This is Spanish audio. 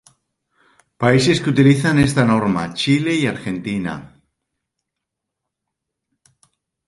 Países que utilizan esta norma: Chile y Argentina